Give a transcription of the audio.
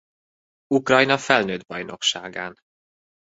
Ukrajna felnőtt bajnokságán.